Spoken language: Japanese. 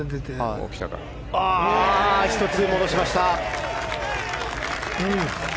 １つ戻しました。